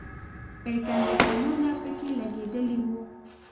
اییر کنډیشنونه پکې لګېدلي وو.